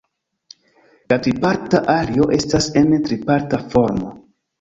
La triparta ario estas en triparta formo.